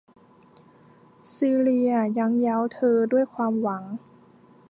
ซีเลียยั่งเย้าเธอด้วยความหวัง